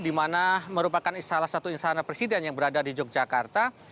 di mana merupakan salah satu istana presiden yang berada di yogyakarta